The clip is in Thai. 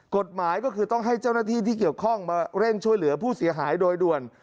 กฎหมายก็คือต้องให้เจ้าหน้าที่ที่เกี่ยวข้องมาเร่งช่วยเหลือผู้เสียหายโดยด่วน